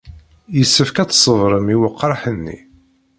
Yessefk ad tṣebrem i weqraḥ-nni.